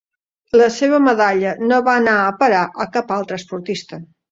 La seva medalla no va anar a parar a cap altre esportista.